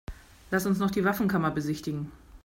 Lass uns noch die Waffenkammer besichtigen.